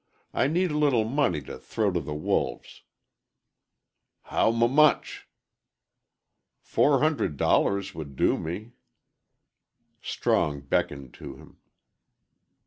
I need a little money to throw to the wolves." "How m much?" "Four hundred dollars would do me." Strong beckoned to him.